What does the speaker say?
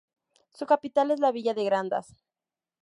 Su capital es la villa de Grandas.